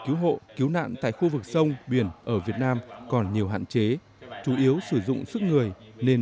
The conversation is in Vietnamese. cứu hộ cứu nạn tại khu vực sông biển ở việt nam còn nhiều hạn chế chủ yếu sử dụng sức người nên